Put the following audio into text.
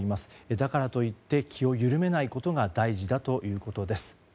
だからといって気を緩めないことが大事だということです。